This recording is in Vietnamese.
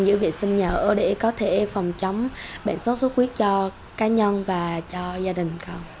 giữ vệ sinh nhỏ để có thể phòng chống bệnh suốt suốt huyết cho cá nhân và cho gia đình con